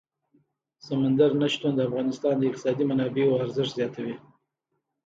سمندر نه شتون د افغانستان د اقتصادي منابعو ارزښت زیاتوي.